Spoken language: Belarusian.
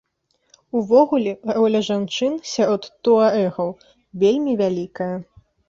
Увогуле, роля жанчын сярод туарэгаў вельмі вялікая.